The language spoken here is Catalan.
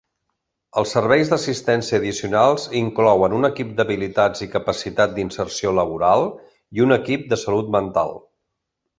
Els serveis d'assistència addicionals inclouen un equip d'habilitats i capacitat d'inserció laboral i un equip de salut mental.